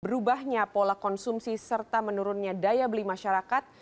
berubahnya pola konsumsi serta menurunnya daya beli masyarakat